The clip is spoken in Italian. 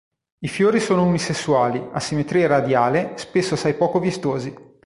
I fiori sono unisessuali, a simmetria radiale, spesso assai poco vistosi.